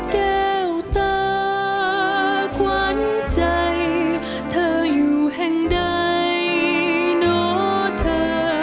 แก้วตาขวัญใจเธออยู่แห่งใดเนาะเธอ